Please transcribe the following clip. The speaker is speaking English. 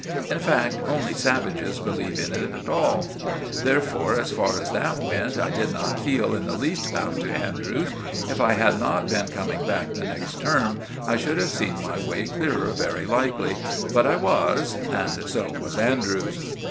In fact, only savages believe in it at all. Therefore, as far as that went, I did not feel in the least bound to Andrews. If I had not been coming back the next term, I should have seen my way clearer very likely; but I was; and so was Andrews.